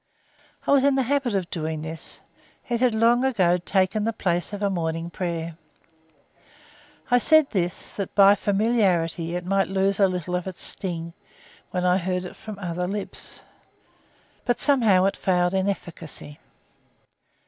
I was in the habit of doing this; it had long ago taken the place of a morning prayer. I said this, that by familiarity it might lose a little of its sting when I heard it from other lips, but somehow it failed in efficacy.